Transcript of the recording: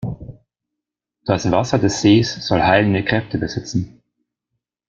Das Wasser des Sees soll heilende Kräfte besitzen.